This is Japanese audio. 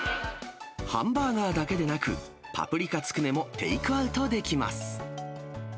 ハンバーガーだけでなく、パプリカつくねもテイクアウトできます。